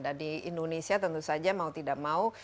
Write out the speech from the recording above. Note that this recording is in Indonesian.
dan di indonesia tentu saja mau tidak mau